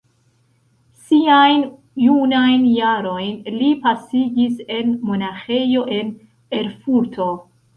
Siajn junajn jarojn li pasigis en monaĥejo en Erfurto.